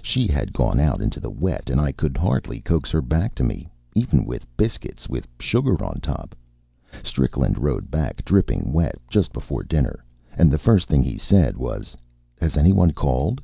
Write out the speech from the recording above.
She had gone out into the wet and I could hardly coax her back to me even with biscuits with sugar on top. Strickland rode back, dripping wet, just before dinner, and the first thing he said was: "Has any one called?"